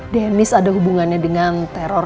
denis ada hubungannya dengan teror